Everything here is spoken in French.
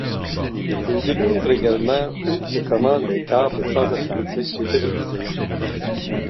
Ils découvrent également où et comment les câbles transatlantiques étaient brisés.